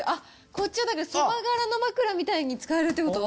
こっちはそば殻の枕みたいに使えるってこと？